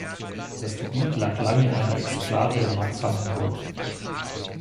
Das Gebiet lag lange in einer Exklave der Mark Brandenburg.